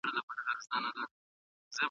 د اندونو تبادله د پوهې د لوړوالي سبب شوه.